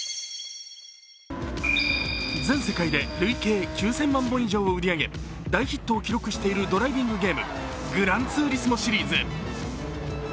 全世界で累計９０００万本以上を売り上げ大ヒットを記録しているドライビングゲーム、「グランツーリスモ」シリーズ。